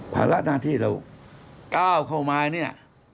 ภาระหน้าที่เราก้าวเข้ามาเนี่ย